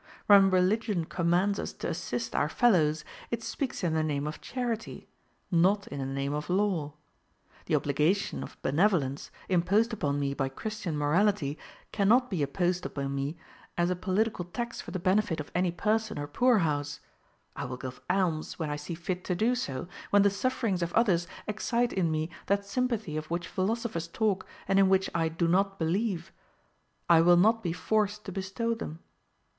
When religion commands us to assist our fellows, it speaks in the name of charity, not in the name of law. The obligation of benevolence, imposed upon me by Christian morality, cannot be imposed upon me as a political tax for the benefit of any person or poor house. I will give alms when I see fit to do so, when the sufferings of others excite in me that sympathy of which philosophers talk, and in which I do not believe: I will not be forced to bestow them.